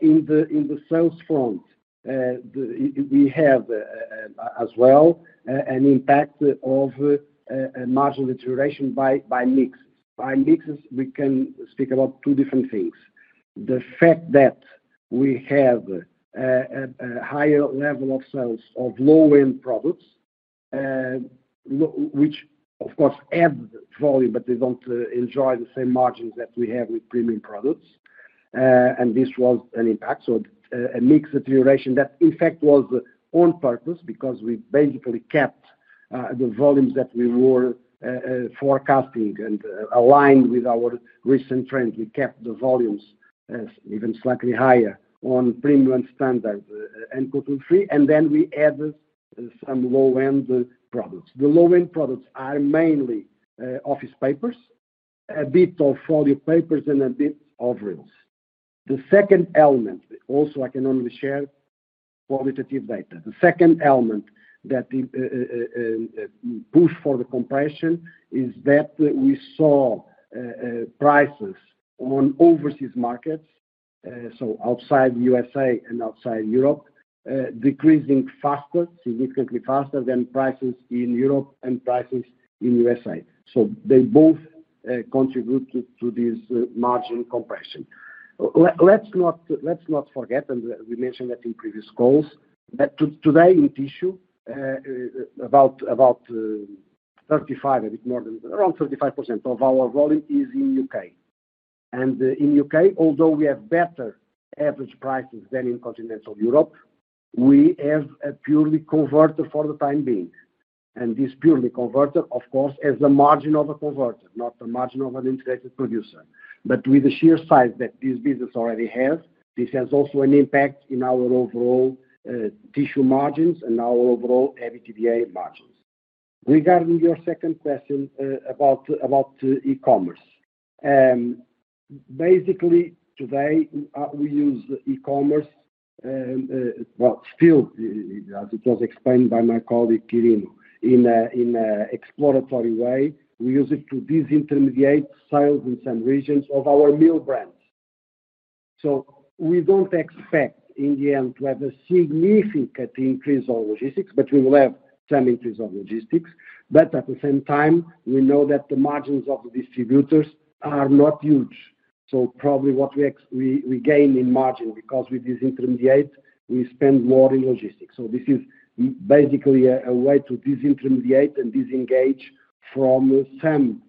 In the sales front, we have as well an impact of margin deterioration by mixes. By mixes, we can speak about two different things. The fact that we have a higher level of sales of low-end products, which, of course, adds volume, but they do not enjoy the same margins that we have with premium products. This was an impact. A mix deterioration that, in fact, was on purpose because we basically kept the volumes that we were forecasting and aligned with our recent trends. We kept the volumes even slightly higher on premium and standard uncoated woodfree. We added some low-end products. The low-end products are mainly office papers, a bit of folio papers, and a bit of reels. The second element, also I can only share qualitative data. The second element that pushed for the compression is that we saw prices on overseas markets, outside the U.S. and outside Europe, decreasing faster, significantly faster than prices in Europe and prices in the U.S. They both contribute to this margin compression. Let's not forget, and we mentioned that in previous calls, that today in tissue, about 35%, a bit more than around 35% of our volume is in the U.K. In the U.K., although we have better average prices than in continental Europe, we have a purely converter for the time being. This purely converter, of course, has the margin of a converter, not the margin of an integrated producer. With the sheer size that this business already has, this also has an impact on our overall tissue margins and our overall EBITDA margins. Regarding your second question about e-commerce, basically, today, we use e-commerce, still, as it was explained by my colleague Quirino, in an exploratory way. We use it to disintermediate sales in some regions of our mill brands. We do not expect, in the end, to have a significant increase of logistics, but we will have some increase of logistics. At the same time, we know that the margins of the distributors are not huge. Probably what we gain in margin because we disintermediate, we spend more in logistics. This is basically a way to disintermediate and disengage from some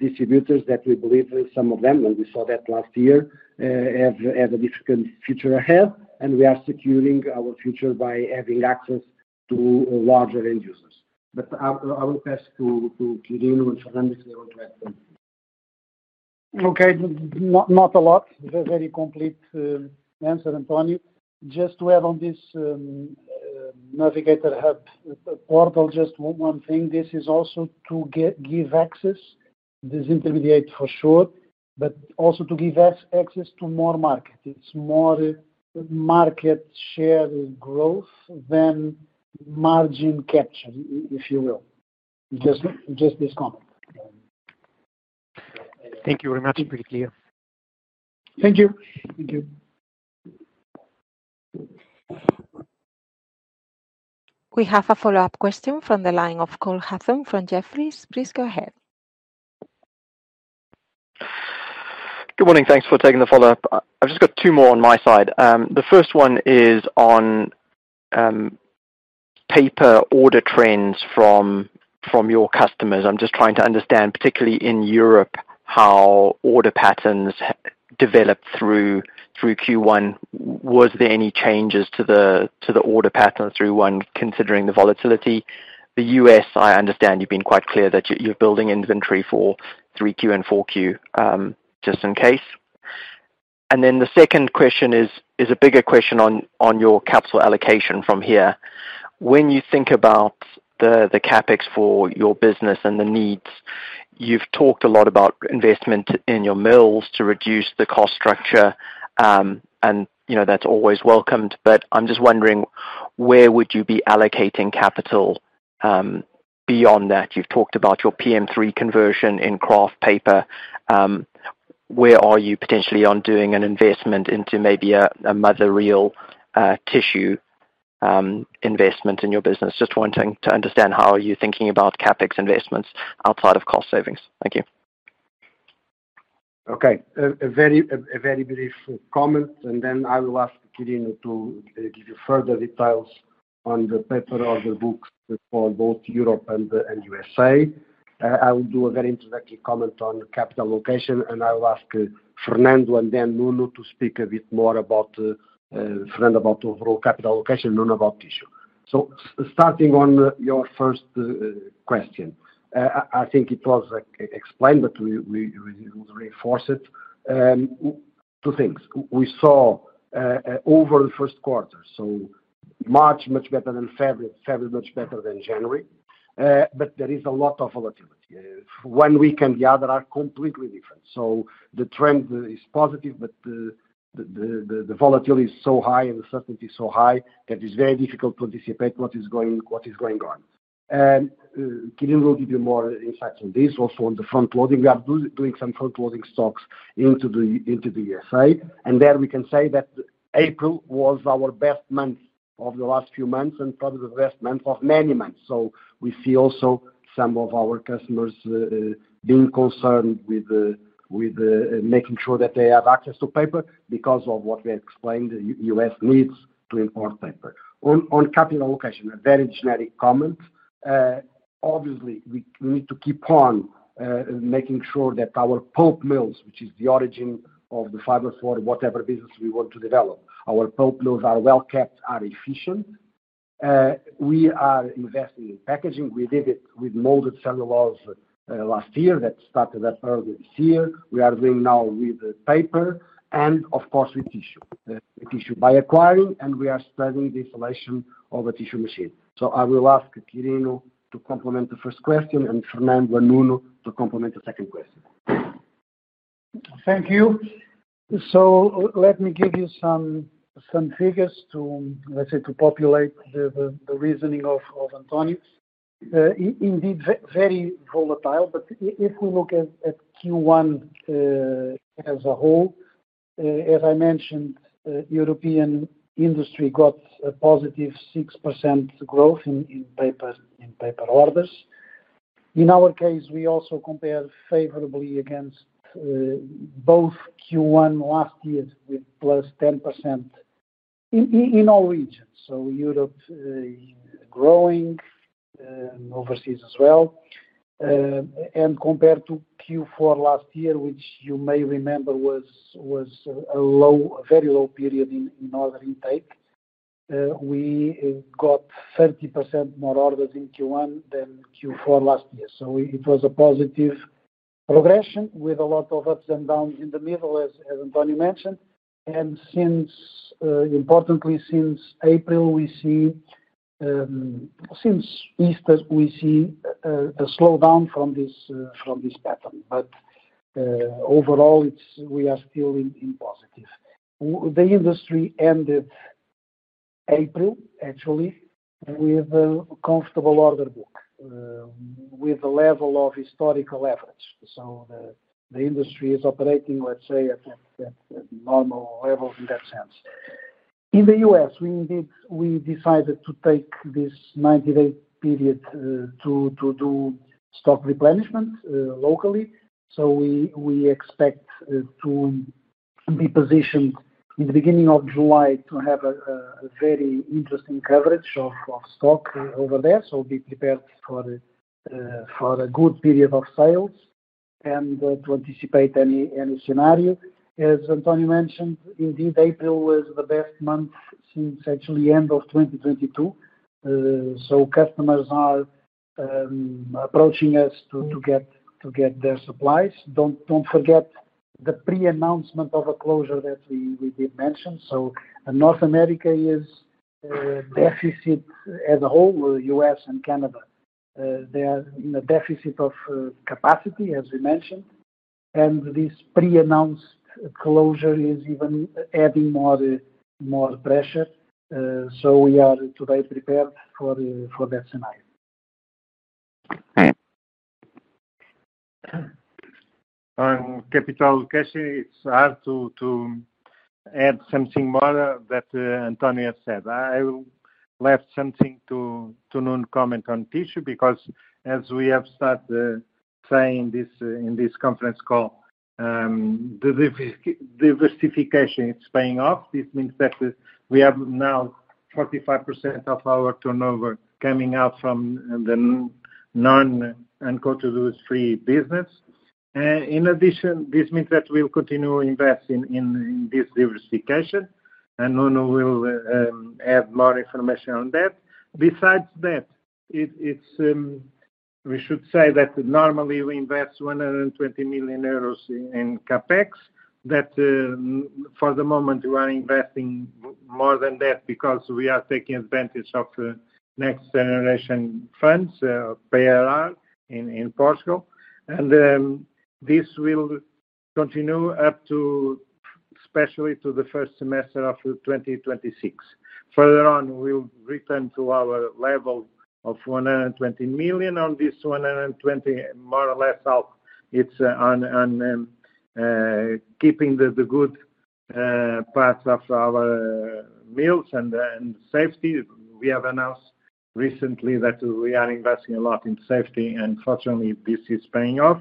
distributors that we believe, and we saw that last year, have a difficult future ahead. We are securing our future by having access to larger end users. I will pass to Quirino and Fernando. They will direct them. Okay. Not a lot. Very complete answer, António. Just to add on this Navigator Hub portal, just one thing. This is also to give access, disintermediate for sure, but also to give access to more market. It is more market share growth than margin capture, if you will. Just this comment. Thank you very much, António. Thank you. Thank you. We have a follow-up question from the line of Cole Hathorn from Jefferies. Please go ahead. Good morning. Thanks for taking the follow-up. I have just got two more on my side. The first one is on paper order trends from your customers. I am just trying to understand, particularly in Europe, how order patterns developed through Q1. Was there any changes to the order pattern through Q1, considering the volatility? The U.S., I understand you've been quite clear that you're building inventory for 3Q and 4Q, just in case. The second question is a bigger question on your capital allocation from here. When you think about the CapEx for your business and the needs, you've talked a lot about investment in your mills to reduce the cost structure, and that's always welcomed. I'm just wondering, where would you be allocating capital beyond that? You've talked about your PM3 conversion in kraft paper. Where are you potentially on doing an investment into maybe a mother reel tissue investment in your business? Just wanting to understand how are you thinking about CapEx investments outside of cost savings. Thank you. Okay. A very brief comment, and then I will ask Quirino to give you further details on the paper or the books for both Europe and the U.S.A. I will do a very introductory comment on capital allocation, and I will ask Fernando and then Nuno to speak a bit more about Fernando about overall capital allocation, Nuno about tissue. Starting on your first question, I think it was explained, but we will reinforce it. Two things. We saw over the first quarter, March much better than February, February much better than January, but there is a lot of volatility. One week and the other are completely different. The trend is positive, but the volatility is so high and the certainty is so high that it's very difficult to anticipate what is going on. Quirino will give you more insights on this, also on the front-loading. We are doing some front-loading stocks into the U.S., and there we can say that April was our best month of the last few months and probably the best month of many months. We see also some of our customers being concerned with making sure that they have access to paper because of what we explained, the U.S. needs to import paper. On capital allocation, a very generic comment. Obviously, we need to keep on making sure that our pulp mills, which is the origin of the fiber for whatever business we want to develop, our pulp mills are well kept, are efficient. We are investing in packaging. We did it with molded fiber packaging last year that started up early this year. We are doing now with paper and, of course, with tissue. With tissue by acquiring, and we are studying the installation of a tissue machine. I will ask Quirino to complement the first question and Fernando and Nuno to complement the second question. Thank you. Let me give you some figures to, let's say, to populate the reasoning of António. Indeed, very volatile, but if we look at Q1 as a whole, as I mentioned, European industry got a positive 6% growth in paper orders. In our case, we also compared favorably against both Q1 last year with plus 10% in all regions. Europe growing, overseas as well. Compared to Q4 last year, which you may remember was a very low period in order intake, we got 30% more orders in Q1 than Q4 last year. It was a positive progression with a lot of ups and downs in the middle, as António mentioned. Importantly, since April, we see since Easter, we see a slowdown from this pattern. Overall, we are still in positive. The industry ended April, actually, with a comfortable order book, with a level of historical average. The industry is operating, let's say, at normal levels in that sense. In the U.S., we decided to take this 90-day period to do stock replenishment locally. We expect to be positioned in the beginning of July to have a very interesting coverage of stock over there. Be prepared for a good period of sales and to anticipate any scenario. As António mentioned, indeed, April was the best month since actually end of 2022. Customers are approaching us to get their supplies. Do not forget the pre-announcement of a closure that we did mention. North America is deficit as a whole, U.S. and Canada. They are in a deficit of capacity, as we mentioned. This pre-announced closure is even adding more pressure. We are today prepared for that scenario. On capital allocation, it's hard to add something more that António has said. I will leave something to Nuno to comment on tissue because, as we have started saying in this conference call, the diversification is paying off. This means that we have now 45% of our turnover coming out from the non-uncoated woodfree business. In addition, this means that we'll continue investing in this diversification, and Nuno will add more information on that. Besides that, we should say that normally we invest 120 million euros in CapEx. For the moment, we are investing more than that because we are taking advantage of next-generation funds, PRR in Portugal. This will continue up to, especially to the first semester of 2026. Further on, we'll return to our level of 120 million. On this 120 million, more or less, it's on keeping the good parts of our mills and safety. We have announced recently that we are investing a lot in safety, and fortunately, this is paying off.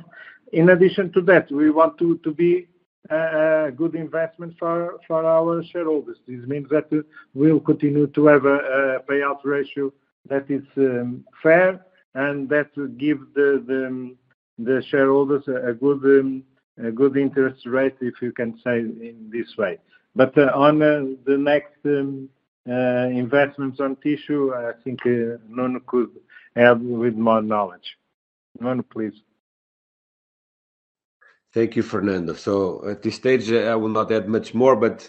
In addition to that, we want to be a good investment for our shareholders. This means that we'll continue to have a payout ratio that is fair and that will give the shareholders a good interest rate, if you can say, in this way. On the next investments on tissue, I think Nuno could help with more knowledge. Nuno, please. Thank you, Fernando. At this stage, I will not add much more, but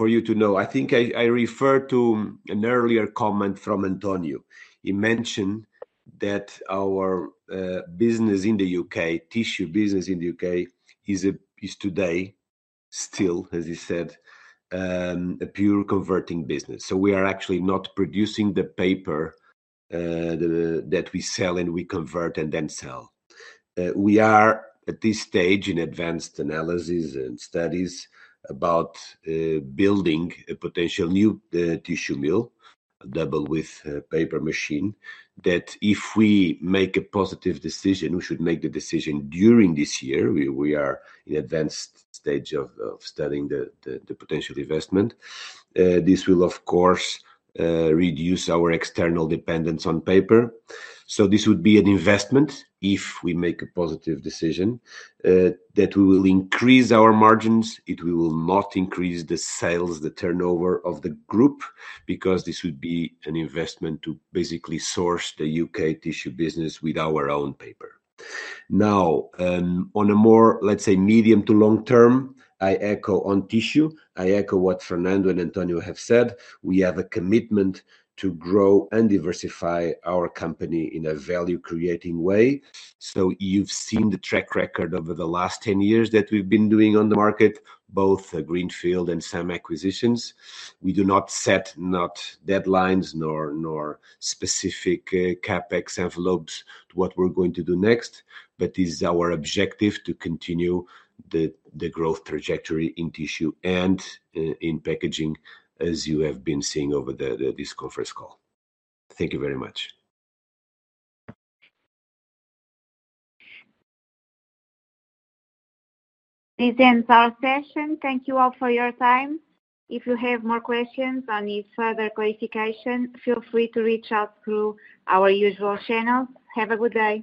for you to know, I think I refer to an earlier comment from António. He mentioned that our business in the U.K., tissue business in the U.K., is today still, as he said, a pure converting business. We are actually not producing the paper that we sell and we convert and then sell. We are, at this stage, in advanced analysis and studies about building a potential new tissue mill, double with paper machine, that if we make a positive decision, we should make the decision during this year. We are in advanced stage of studying the potential investment. This will, of course, reduce our external dependence on paper. This would be an investment, if we make a positive decision, that will increase our margins. It will not increase the sales, the turnover of the group, because this would be an investment to basically source the U.K. tissue business with our own paper. On a more, let's say, medium to long term, I echo on tissue. I echo what Fernando and António have said. We have a commitment to grow and diversify our company in a value-creating way. You have seen the track record over the last 10 years that we have been doing on the market, both Greenfield and some acquisitions. We do not set deadlines nor specific CapEx envelopes to what we are going to do next, but it is our objective to continue the growth trajectory in tissue and in packaging, as you have been seeing over this conference call. Thank you very much. This ends our session. Thank you all for your time. If you have more questions or need further clarification, feel free to reach out through our usual channels. Have a good day.